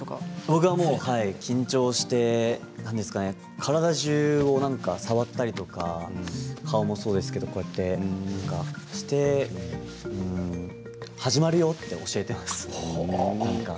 僕は緊張して体じゅうを何か触ったりとか顔もそうですけど、そうやって始まるよって教えています。